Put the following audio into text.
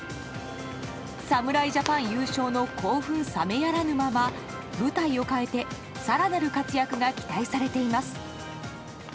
侍ジャパン優勝の興奮冷めやらぬまま舞台を変えて更なる活躍が期待されています。